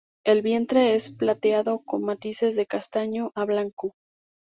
El vientre es plateado con matices de castaño a blanco.